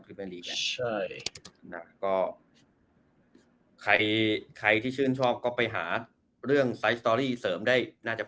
คือไปลีกแหละใช่นะก็ใครใครที่ชื่นชอบก็ไปหาเรื่องไซส์สตอรี่เสริมได้น่าจะ